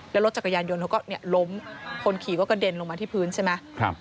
แล้วรถจักรยานยนต์เขาก็ล้มคนขี่ก็กระเด็นลงมาที่พื้นใช่ไหม